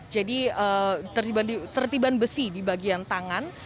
jadi tertiban besi di bagian tangan